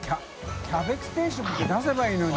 キャベツ定食って出せばいいのに。